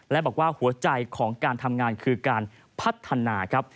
และบอกว่าหัวใจของการทำงานคือการพัฒนาครับ